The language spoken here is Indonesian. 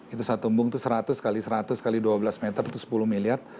itu satu embung itu seratus kali seratus kali dua belas meter itu sepuluh miliar